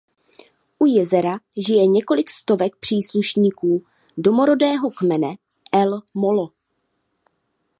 U jezera žije několik stovek příslušníků domorodého kmene El Molo.